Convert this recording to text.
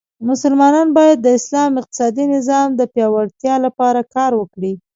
مسلمانان باید د اسلام اقتصادې نظام د پیاوړتیا لپاره کار وکړي.